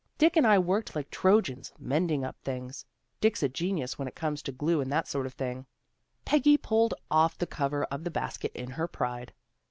Dick and I worked like Trojans, mending up things. Dick's a genius when it comes to glue and that sort of thing." Peggy pulled off the cover of the basket in her pride.